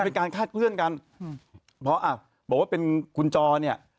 เป็นการคาดเคลื่อนกันอืมเพราะอ่ะบอกว่าเป็นคุณจอเนี่ย